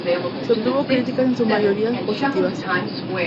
Se obtuvo críticas en su mayoría positivas.